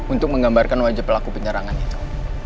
untuk menggambarkan wajah pelaku penyerangan itu